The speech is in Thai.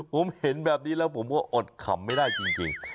ผมเห็นแบบนี้แล้วผมก็อดขำไม่ได้จริง